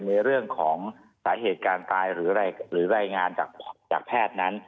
ในเรื่องของสาเหตุการณ์ตายหรือรายงานจากแพทย์นั้น